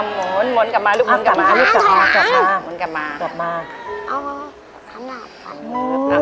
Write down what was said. อ่ะหมุนหมุนกลับมาลูกหมุนกลับมาหมุนกลับมาหมุนกลับมา